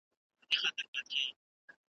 خو د دې قوم د یو ځای کولو .